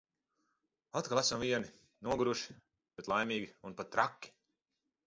Atkal esam vieni, noguruši, bet laimīgi un pat traki!